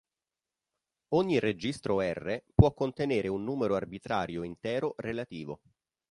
Ogni registro R può contenere un numero arbitrario intero relativo.